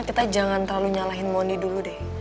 kita jangan terlalu nyalahin moni dulu deh